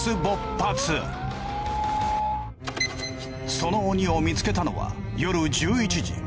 その鬼を見つけたのは夜１１時。